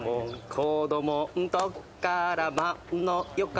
「子どもんとっからまんのよか」